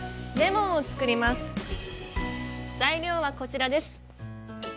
材料はこちらです。